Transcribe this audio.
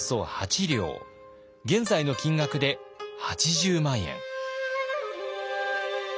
現在の金額で８０万円。